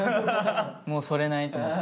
もう剃れないと思って。